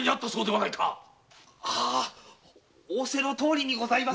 はい仰せのとおりにございます。